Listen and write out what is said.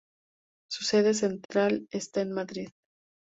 Su sede central está en Madrid.